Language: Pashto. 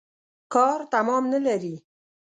کار تمام نلري.